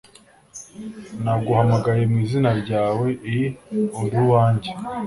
naguhamagaye mu izina ryawe i uri uwanjye